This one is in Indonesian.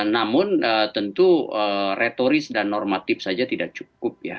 namun tentu retoris dan normatif saja tidak cukup ya